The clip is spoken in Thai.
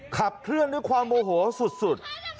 ขับเคลื่อนด้วยความโมโหสุด